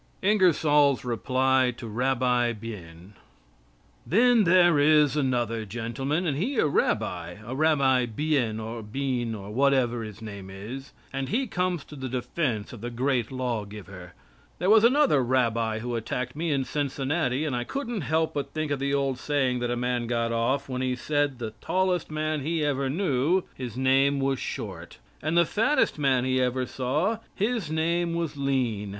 INGERSOLL'S REPLY TO RABBI BIEN Then there is another gentleman, and he a rabbi, a Rabbi Bien, or Bean, or whatever his name is, and he comes to the defense of the Great Law giver. There was another rabbi who attacked me in Cincinnati, and I couldn't help but think of the old saying that a man got off when he said the tallest man he ever knew, his name was Short. And the fattest man he ever saw, his name was Lean.